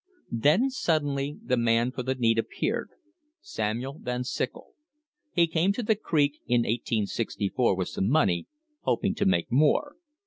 Then suddenly the man for the need appeared, Samuel Van Syckel. He came to the creek in 1864 with some money, hoping to make more.